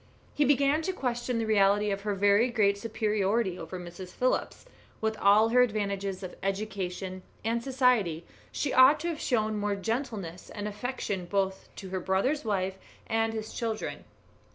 He began to question the reality of her very great superiority over Mrs. Phillips; with all her advantages of education and society she ought to have shown more gentleness and affection both to her brother's wife and his children.